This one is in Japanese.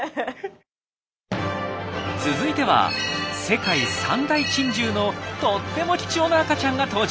続いては世界三大珍獣のとっても貴重な赤ちゃんが登場！